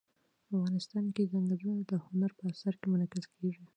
افغانستان کې چنګلونه د هنر په اثار کې منعکس کېږي.